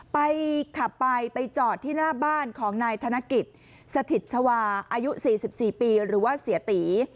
ไปขับไปไปจอดที่หน้าบ้านของนายธนกิจสถิตชวาอายุ๔๔ปีหรือว่าเสียตี